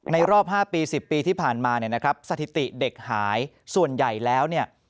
ในรอบ๕๑๐ปีที่ผ่านมาสถิติเด็กหายส่วนใหญ่แล้ว